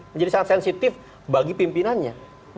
menjadi sangat sensitif bagi pimpinannya